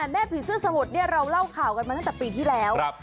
แม่ผีเสื้อสมุทรเราเล่าข่าวกันมาตั้งแต่ปีที่แล้ว